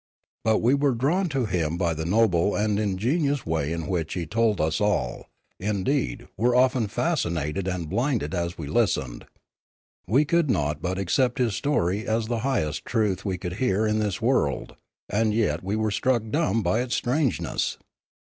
But we were drawn to him by the noble and ingenuous way in which he told us all; indeed, were often fasci nated and blinded as we listened. We could not but accept his story as the highest truth we could hear in this world, and yet we were struck dumb by its strange ness.